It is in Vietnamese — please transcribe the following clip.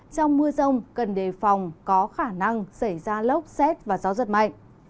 trong mưa rông cần đề phòng có khả năng xảy ra lốc xét và gió giật mạnh